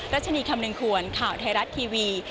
รัชนีคำนึงควรข่าวไทยรัฐทีวี